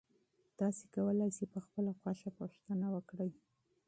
تاسي کولای شئ په خپله خوښه پوښتنه وکړئ.